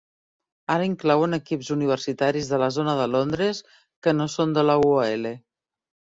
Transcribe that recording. Ara inclouen equips universitaris de la zona de Londres que no són de la UoL.